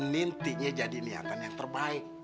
nantinya jadi niatan yang terbaik